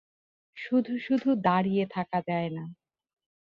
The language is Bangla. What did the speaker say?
শুধু-শুধু দাঁড়িয়ে থাকা যায় না।